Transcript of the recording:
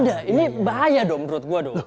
enggak ini bahaya dong menurut gue dong